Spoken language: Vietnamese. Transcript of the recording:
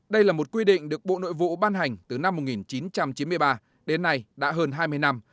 đây là một quy định được bộ nội vụ ban hành từ năm một nghìn chín trăm chín mươi ba đến nay đã hơn hai mươi năm